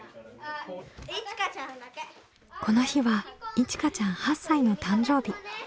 この日はいちかちゃん８歳の誕生日。